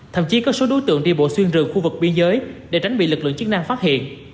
thậm chí có số đối tượng đi bộ xuyên rừng khu vực biên giới để tránh bị lực lượng chức năng phát hiện